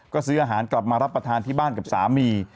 ก็ซื้ออาหารกลับมารับประทานที่บ้านกับสามี